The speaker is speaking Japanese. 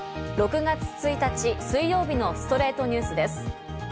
６月１日、水曜日の『ストレイトニュース』です。